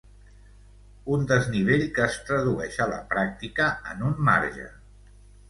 Un desnivell que es tradueix a la pràctica en un marge.